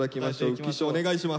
浮所お願いします！